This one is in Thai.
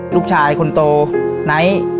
ลูกชายคนโตไนท์